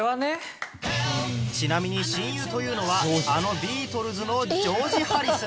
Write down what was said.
ちなみに親友というのはあのビートルズのジョージ・ハリスン